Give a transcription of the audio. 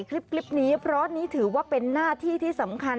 พี่รายเดอร์ค่ะถ่ายคลิปนี้เพราะว่านี้ถือว่าเป็นหน้าที่ที่สำคัญ